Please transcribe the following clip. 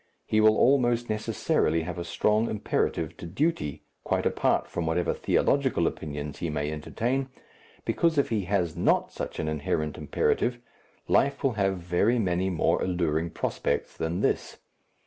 He will almost necessarily have a strong imperative to duty quite apart from whatever theological opinions he may entertain, because if he has not such an inherent imperative, life will have very many more alluring prospects than this.